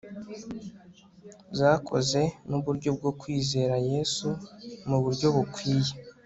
zakoze nuburyo bwo kwizera Yesu muburyo bukwiye